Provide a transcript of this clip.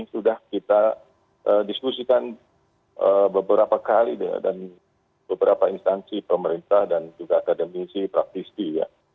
sudah kita diskusikan beberapa kali dan beberapa instansi pemerintah dan juga akademisi praktisi